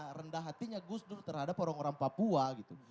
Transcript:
karena rendah hatinya gus dur terhadap orang orang papua gitu